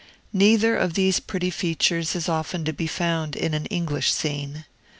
Neither of these pretty features is often to be found in an English scene.